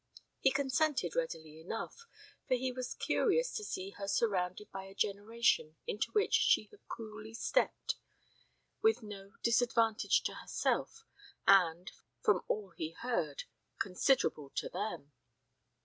He consented readily enough, for he was curious to see her surrounded by a generation into which she had coolly stepped with no disadvantage to herself and, from all he heard, considerable to them.